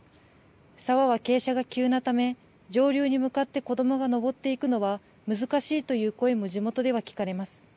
沢は傾斜が急なため、上流に向かって子どもが登っていくのは難しいという声も地元では聞かれます。